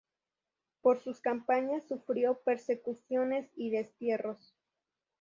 Por sus campañas sufrió persecuciones y destierros.